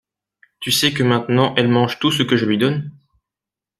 Tu sais que maintenant elle mange tout ce que je lui donne?